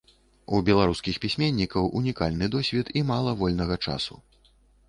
У беларускіх пісьменнікаў унікальны досвед і мала вольнага часу.